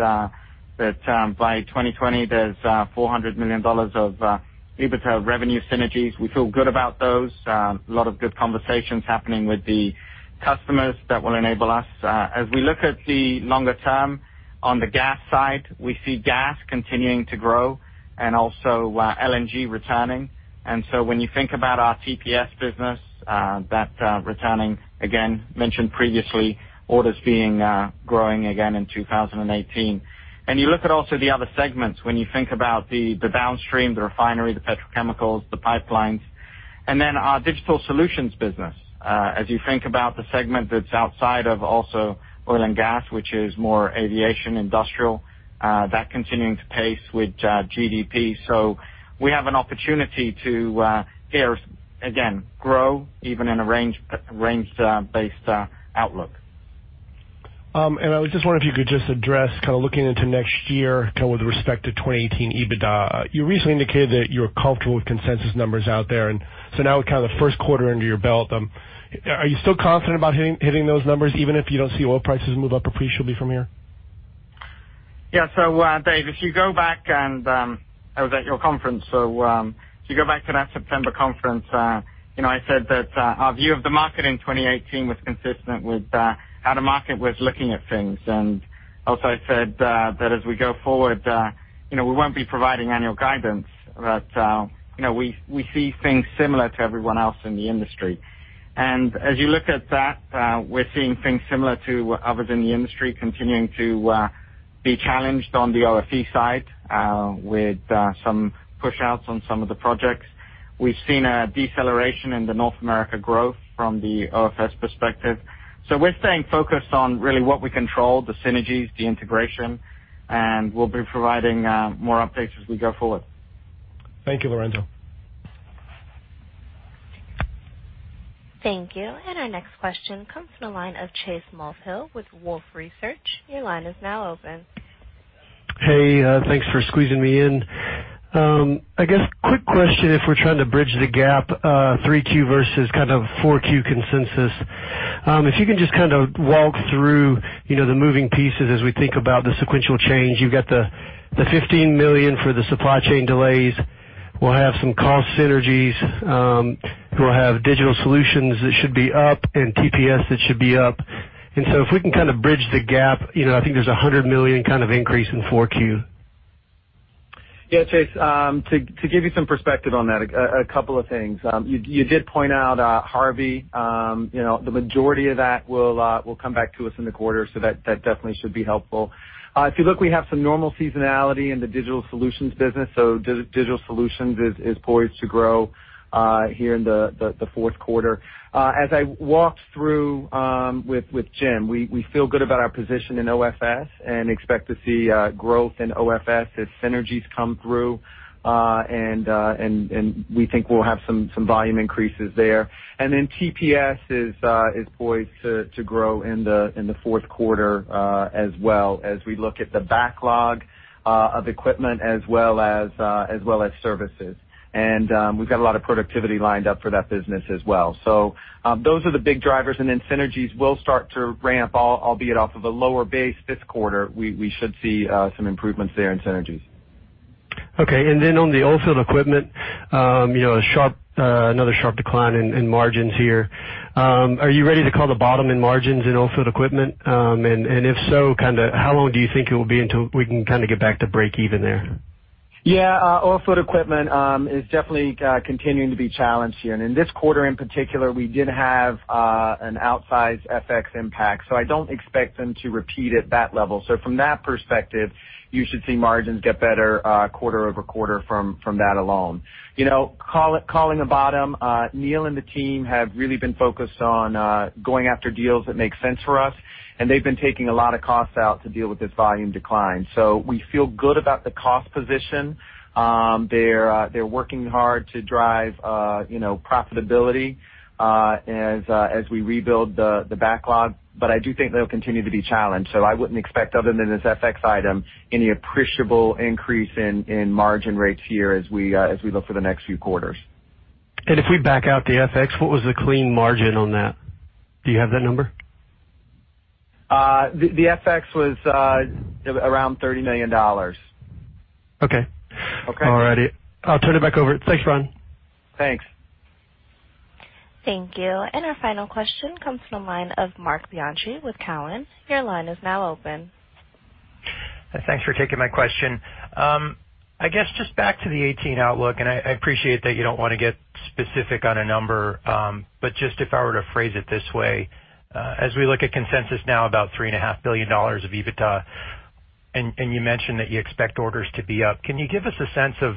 that by 2020, there's $400 million of EBITDA revenue synergies. We feel good about those. A lot of good conversations happening with the customers that will enable us. As we look at the longer term on the gas side, we see gas continuing to grow and also LNG returning. When you think about our TPS business, that returning again, mentioned previously, orders being growing again in 2018. You look at also the other segments when you think about the downstream, the refinery, the petrochemicals, the pipelines, and then our Digital Solutions business. As you think about the segment that's outside of also oil and gas, which is more aviation and industrial, that continuing to pace with GDP. We have an opportunity to, again, grow even in a range-bound outlook. I was just wondering if you could just address kind of looking into next year kind of with respect to 2018 EBITDA. You recently indicated that you're comfortable with consensus numbers out there. Now with kind of the first quarter under your belt are you still confident about hitting those numbers even if you don't see oil prices move up appreciably from here? Dave, if you go back. I was at your conference. If you go back to that September conference I said that our view of the market in 2018 was consistent with how the market was looking at things. Also I said that as we go forward we won't be providing annual guidance. We see things similar to everyone else in the industry. As you look at that we're seeing things similar to others in the industry continuing to be challenged on the OFE side with some pushouts on some of the projects. We've seen a deceleration in the North America growth from the OFS perspective. We're staying focused on really what we control, the synergies, the integration, and we'll be providing more updates as we go forward. Thank you, Lorenzo. Thank you. Our next question comes from the line of Chase Mulvehill with Wolfe Research. Your line is now open. Hey, thanks for squeezing me in. I guess quick question if we're trying to bridge the gap 3Q versus kind of 4Q consensus. If you can just kind of walk through the moving pieces as we think about the sequential change. You've got the $15 million for the supply chain delays. We'll have some cost synergies. We'll have Digital Solutions that should be up and TPS that should be up. If we can kind of bridge the gap I think there's a $100 million kind of increase in 4Q. Yeah, Chase. To give you some perspective on that, a couple of things. You did point out Hurricane Harvey. The majority of that will come back to us in the quarter. That definitely should be helpful. If you look, we have some normal seasonality in the Digital Solutions business. Digital Solutions is poised to grow here in the fourth quarter. As I walked through with Jim, we feel good about our position in OFS and expect to see growth in OFS as synergies come through. We think we'll have some volume increases there. TPS is poised to grow in the fourth quarter as well as we look at the backlog of equipment as well as services. We've got a lot of productivity lined up for that business as well. Those are the big drivers. Synergies will start to ramp albeit off of a lower base this quarter. We should see some improvements there in synergies. Okay. On the Oilfield Equipment another sharp decline in margins here. Are you ready to call the bottom in margins in Oilfield Equipment? If so, how long do you think it will be until we can kind of get back to breakeven there? Yeah. Oilfield Equipment is definitely continuing to be challenged here. In this quarter in particular, we did have an outsized FX impact, so I don't expect them to repeat at that level. From that perspective, you should see margins get better quarter-over-quarter from that alone. Calling a bottom, Neil and the team have really been focused on going after deals that make sense for us, and they've been taking a lot of costs out to deal with this volume decline. We feel good about the cost position. They're working hard to drive profitability as we rebuild the backlog. I do think they'll continue to be challenged. I wouldn't expect other than this FX item, any appreciable increase in margin rates here as we look for the next few quarters. If we back out the FX, what was the clean margin on that? Do you have that number? The FX was around $30 million. Okay. Okay. All righty. I'll turn it back over. Thanks, Lorenzo. Thanks. Thank you. Our final question comes from the line of Marc Bianchi with Cowen. Your line is now open. Thanks for taking my question. I guess just back to the 2018 outlook, and I appreciate that you don't want to get specific on a number, but just if I were to phrase it this way. As we look at consensus now about $3.5 billion of EBITDA, and you mentioned that you expect orders to be up, can you give us a sense of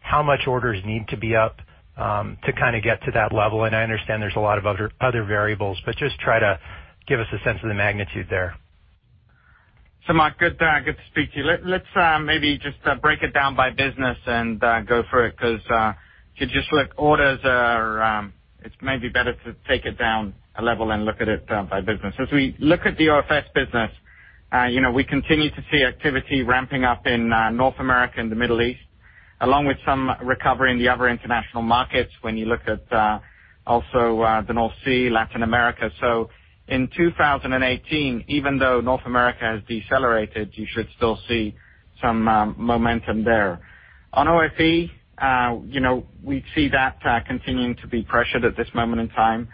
how much orders need to be up to kind of get to that level? And I understand there's a lot of other variables, but just try to give us a sense of the magnitude there. Marc, good to speak to you. Let's maybe just break it down by business and go through it, because if you just look, it's maybe better to take it down a level and look at it by business. As we look at the OFS business, we continue to see activity ramping up in North America and the Middle East, along with some recovery in the other international markets when you look at also the North Sea, Latin America. In 2018, even though North America has decelerated, you should still see some momentum there. On OFE, we see that continuing to be pressured at this moment in time.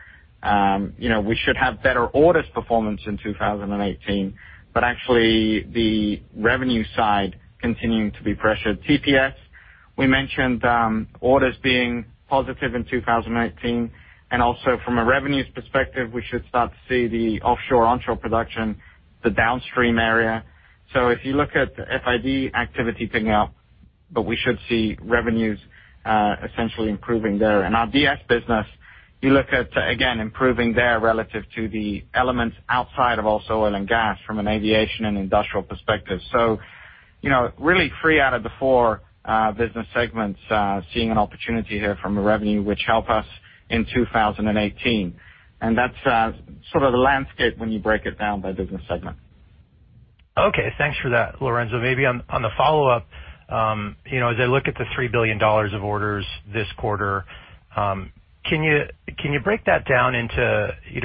We should have better orders performance in 2018, but actually the revenue side continuing to be pressured. TPS, we mentioned orders being positive in 2018, and also from a revenues perspective, we should start to see the offshore/onshore production, the downstream area. If you look at FID activity picking up, but we should see revenues essentially improving there. And our DS business, you look at, again, improving there relative to the elements outside of also oil and gas from an aviation and industrial perspective. Really 3 out of the 4 business segments seeing an opportunity here from a revenue which help us in 2018. And that's sort of the landscape when you break it down by business segment. Okay. Thanks for that, Lorenzo. Maybe on the follow-up, as I look at the $3 billion of orders this quarter, can you break that down into You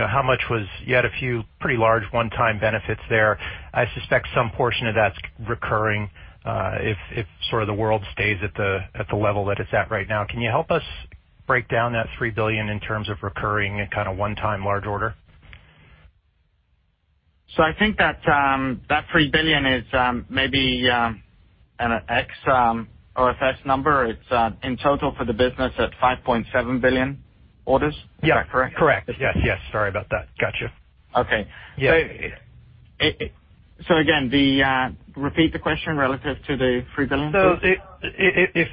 had a few pretty large one-time benefits there. I suspect some portion of that's recurring, if sort of the world stays at the level that it's at right now. Can you help us break down that $3 billion in terms of recurring and kind of one-time large order? I think that $3 billion is maybe an ex-OFS number. It's in total for the business at $5.7 billion orders. Is that correct? Yeah. Correct. Yes. Sorry about that. Gotcha. Okay. Yeah. Again, repeat the question relative to the $3 billion, please.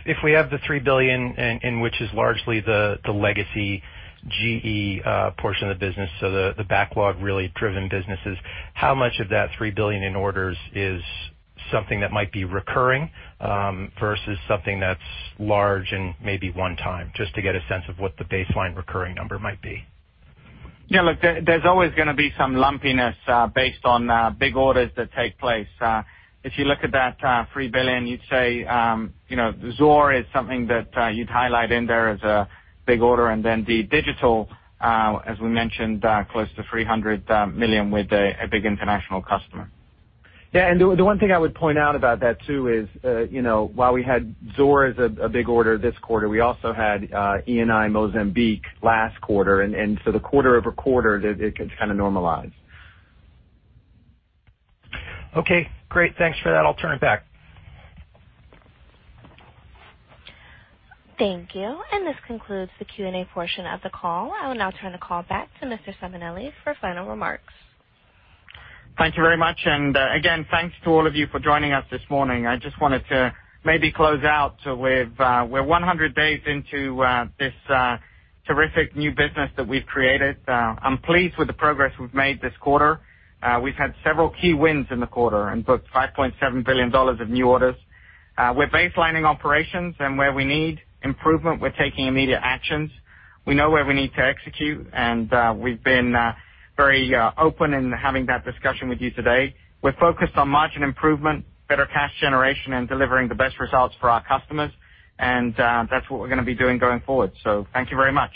If we have the $3 billion and which is largely the legacy GE portion of the business, the backlog really driven businesses, how much of that $3 billion in orders is something that might be recurring versus something that's large and maybe one-time, just to get a sense of what the baseline recurring number might be. Look, there's always going to be some lumpiness based on big orders that take place. If you look at that $3 billion, you'd say, Zohr is something that you'd highlight in there as a big order, and then the digital, as we mentioned, close to $300 million with a big international customer. The one thing I would point out about that too is, while we had Zohr as a big order this quarter, we also had Eni Mozambique last quarter. The quarter-over-quarter, it kind of normalized. Okay, great. Thanks for that. I'll turn it back. Thank you. This concludes the Q&A portion of the call. I will now turn the call back to Mr. Simonelli for final remarks. Thank you very much. Again, thanks to all of you for joining us this morning. I just wanted to maybe close out with, we're 100 days into this terrific new business that we've created. I'm pleased with the progress we've made this quarter. We've had several key wins in the quarter and booked $5.7 billion of new orders. We're baselining operations, and where we need improvement, we're taking immediate actions. We know where we need to execute, and we've been very open in having that discussion with you today. We're focused on margin improvement, better cash generation, and delivering the best results for our customers. That's what we're going to be doing going forward. Thank you very much.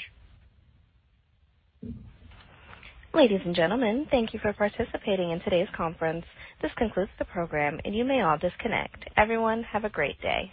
Ladies and gentlemen, thank you for participating in today's conference. This concludes the program, and you may all disconnect. Everyone, have a great day.